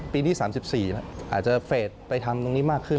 ปีที่๓๔อาจจะเฟสไปทำตรงนี้มากขึ้น